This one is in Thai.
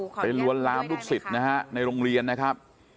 คุณกัลจอมพลังบอกจะมาให้ลบคลิปได้อย่างไร